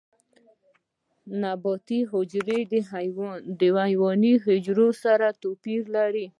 نباتي حجرې د حیواني حجرو سره توپیر لري